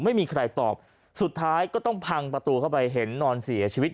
ไม่มีใครตอบสุดท้ายก็ต้องพังประตูเข้าไปเห็นนอนเสียชีวิต